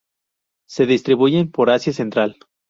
Se distribuyen por Asia Central.